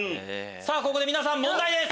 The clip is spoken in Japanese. ここで皆さん問題です！